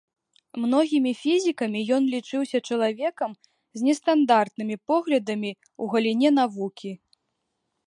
Многімі фізікамі ён лічыўся чалавекам з нестандартнымі поглядамі ў галіне навукі.